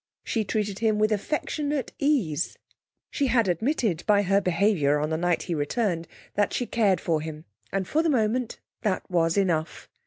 She treated him with affectionate ease. She had admitted by her behaviour on the night he returned that she cared for him, and, for the moment, that was enough.